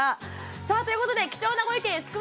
さあということで貴重なご意見すく